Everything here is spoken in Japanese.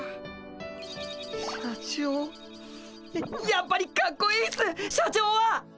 やっぱりかっこいいっす社長は！